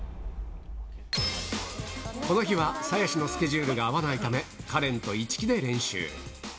この日は鞘師のスケジュールが合わないため、カレンと市來で練習。